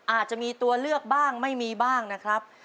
อาจจะมีตัวเลือกบ้างไม่มีบ้างนะครับ